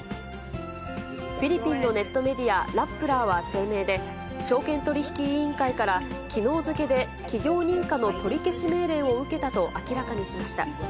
フィリピンのネットメディア、ラップラーは声明で、証券取引委員会からきのう付けで企業認可の取り消し命令を受けたと明らかにしました。